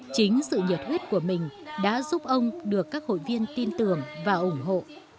chính sự nhiệt huyết của mình đã giúp ông được các hội viên tin tưởng và ủng hộ